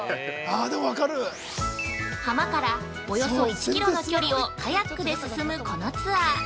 ◆浜から、およそ１キロの距離をカヤックで進む、このツアー。